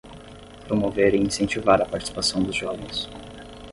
Promover e incentivar a participação dos jovens.